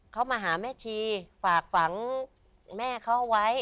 เขามาหาแม่ชีฝากฝังแม่เขาไว้